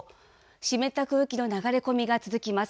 湿った空気の流れ込みが続きます。